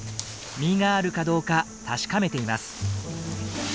実があるかどうか確かめています。